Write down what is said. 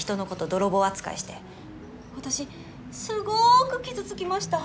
泥棒扱いして私すごく傷つきました。